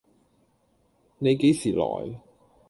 你幾時來